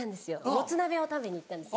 モツ鍋を食べに行ったんです。